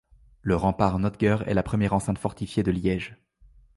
Le rempart Notger est la première enceinte fortifiée de Liège.